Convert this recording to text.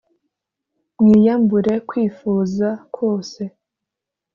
mwiyambure kwifuza kose